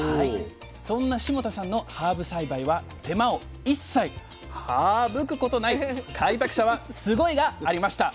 そんな霜多さんのハーブ栽培は手間を一切ハーブくことない開拓者はスゴイ！がありました。